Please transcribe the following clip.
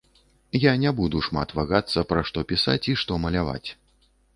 Я не буду шмат вагацца, пра што пісаць і што маляваць.